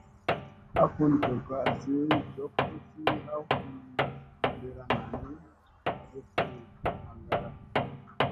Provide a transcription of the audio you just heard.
Ha fun jokka azi jok uzi ha u fat maɗira naa ni, azi fi ndaŋgara.